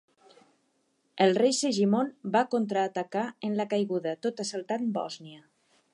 El rei Segimon va contra-atacar en la caiguda, tot assaltant Bòsnia.